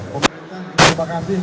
pemerintah terima kasih